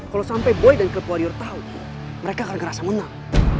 kalau sampe boy dan kelp warrior tau mereka akan ngerasa menang